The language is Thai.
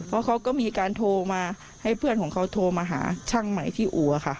เพราะเขาก็มีการโทรมาให้เพื่อนของเขาโทรมาหาช่างใหม่ที่อู่ค่ะ